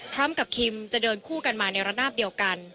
กับคิมจะเดินคู่กันมาในระนาบเดียวกัน